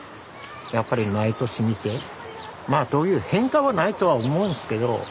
やっぱり毎年見てまあどういう変化はないとは思うんですけど